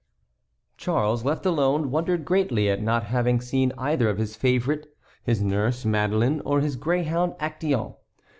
Charles, left alone, wondered greatly at not having seen either of his favorites, his nurse Madeleine or his greyhound Actéon.